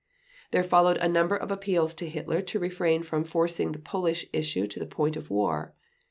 There followed a number of appeals to Hitler to refrain from forcing the Polish issue to the point of war.